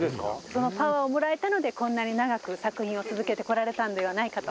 「そのパワーをもらえたのでこんなに長く作品を続けてこられたんではないかと」